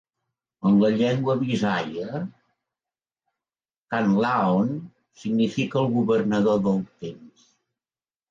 En la llengua visaia, "Kan-Laon" significa "el governador del temps".